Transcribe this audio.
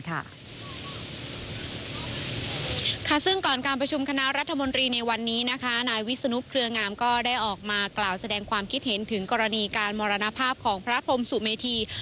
ค่ะซึ่งก่อนการประชุมคณะรัฐมนตรีในวันนี้นะคะนายวิศนุเครืองามก็ได้ออกมากล่าวแสดงความคิดเห็นถึงกรณีการมรณภาพของพระพรมสุเมธี